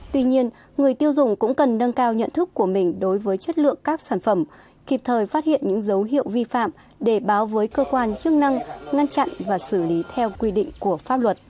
tuy nhiên người tiêu dùng cũng cần nâng cao nhận thức của mình đối với chất lượng các sản phẩm kịp thời phát hiện những dấu hiệu vi phạm để báo với cơ quan chức năng ngăn chặn và xử lý theo quy định của pháp luật